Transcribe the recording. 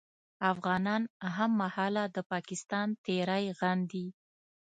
افغانان هممهاله د پاکستان تېری غندي